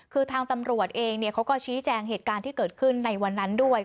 คือทางตำรวจเองเขาก็ชี้แจงเหตุการณ์ที่เกิดขึ้นในวันนั้นด้วย